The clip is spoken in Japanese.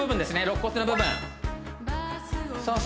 ろっ骨の部分そう